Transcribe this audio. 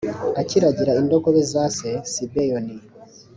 akiragira indogobe za se sibeyoni